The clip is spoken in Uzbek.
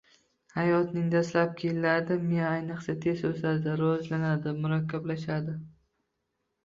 Hayotning dastlabki yillarida miya ayniqsa tez o‘sadi, rivojlanadi, murakkablashadi.